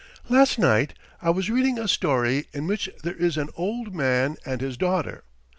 "Last night I was reading a story in which there is an old man and his daughter.